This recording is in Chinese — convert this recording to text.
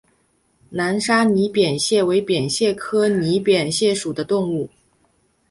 南沙拟扁蟹为扁蟹科拟扁蟹属的动物。